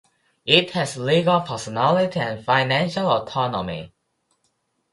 It has legal personality and financial autonomy.